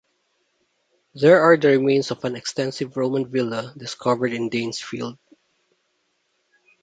There are the remains of an extensive Roman villa discovered in Danes Field.